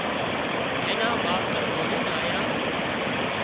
اين نا ماوتر ڌوڙينَ آيان